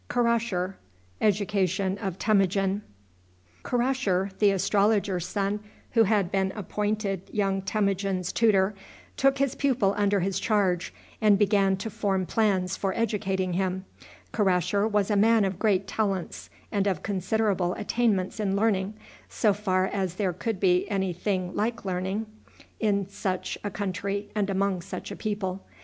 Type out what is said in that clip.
Karasher, the astrologer's son, who had been appointed young Temujin's tutor, took his pupil under his charge, and began to form plans for educating him. Karasher was a man of great talents and of considerable attainments in learning, so far as there could be any thing like learning in such a country and among such a people.